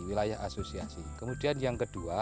wilayah asosiasi kemudian yang kedua